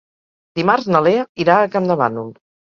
Dimarts na Lea irà a Campdevànol.